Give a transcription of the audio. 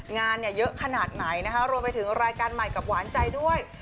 งานเนี่ยเยอะขนาดไหนนะคะรวมไปถึงรายการใหม่กับหวานใจด้วย